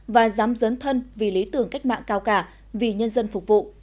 và dám dấn thân vì lý tưởng cách mạng cao cả vì nhân dân phục vụ